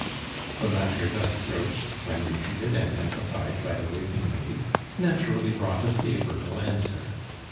The matter thus broached, when repeated and amplified by the waiting maid, naturally brought a favorable answer.